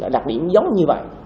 đặc điểm giống như vậy